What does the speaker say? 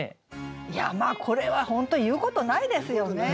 いやこれは本当言うことないですよね。